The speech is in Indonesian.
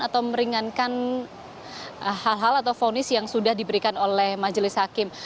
atau meringankan hal hal atau fonis yang sudah diberikan oleh majelis hakim